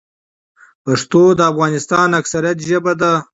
پښتو د افغانستان اکثريت ژبه ده.